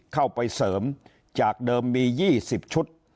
เข้าไปเสริมจากเดิมมี๒๐ชุด